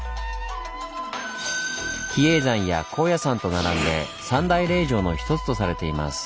比叡山や高野山と並んで三大霊場の一つとされています。